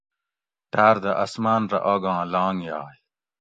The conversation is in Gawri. ٹاۤردہ اسماۤن رہ آگاں لانگ یائی